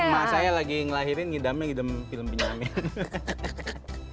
kebetulan emang saya lagi ngelahirin ngidamnya ngidam film pinjamin